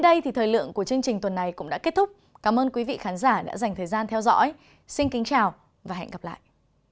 chương trình tuần này cũng đã kết thúc cảm ơn quý vị khán giả đã dành thời gian theo dõi xin kính chào và hẹn gặp lại